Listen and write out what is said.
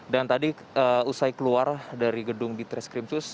dan tadi usai keluar dari gedung di treskripsus